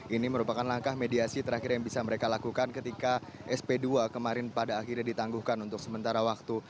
ini merupakan langkah mediasi terakhir yang bisa mereka lakukan ketika sp dua kemarin pada akhirnya ditangguhkan untuk sementara waktu